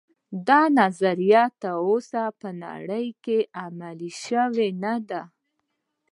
دا نظریه تر اوسه په نړۍ کې عملي شوې نه ده